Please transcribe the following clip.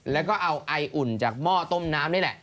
แล้วก็เอาไออุ่นจากหม้อต้มน้ำนี่แหละ